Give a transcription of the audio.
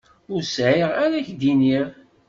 Ur sɛiɣ ara k-d-iniɣ.